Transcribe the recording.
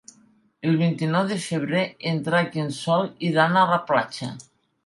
El vint-i-nou de febrer en Drac i en Sol iran a la platja.